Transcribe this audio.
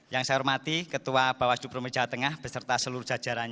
yang saya hormati ketua bawas dprd jawa tengah beserta seluruh jajaran